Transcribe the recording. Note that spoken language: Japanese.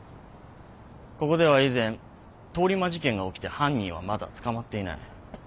ここでは以前通り魔事件が起きて犯人はまだ捕まっていない。